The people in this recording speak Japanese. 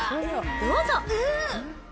どうぞ。